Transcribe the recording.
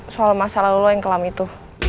soal masalah lo yang kelam itu